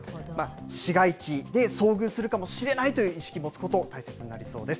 市街地で遭遇するかもしれないという意識を持つことが大切になりそうです。